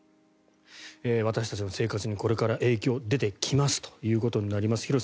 私たちの生活にこれから影響が出てきますということになってきます。